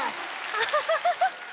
アハハハッ！